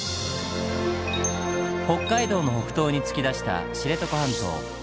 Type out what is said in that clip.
北海道の北東に突き出した知床半島。